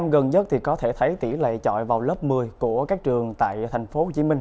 gần nhất thì có thể thấy tỷ lệ trọi vào lớp một mươi của các trường tại tp hcm